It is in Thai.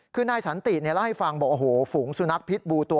คือนายสันติเนี่ยเล่าให้ฟังบอกโอ้โหฝูงสุนัขพิษบูตัว